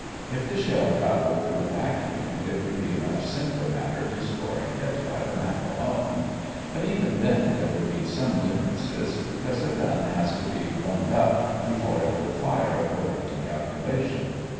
If the shell traveled through a vacuum, it would be a much simpler matter to score a hit by the map alone. But even then there would be some differences, because a gun has to be "warmed up" before it will fire according to calculation.